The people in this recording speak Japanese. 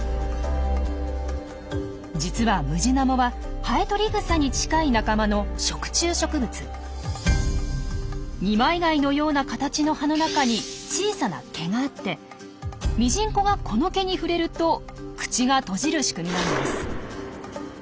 実はムジナモはハエトリグサに近い仲間の二枚貝のような形の葉の中に小さな毛があってミジンコがこの毛に触れると口が閉じる仕組みなんです。